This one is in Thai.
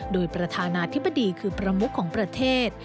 โดยประธานาธิบดีคือประมุขของประเทศ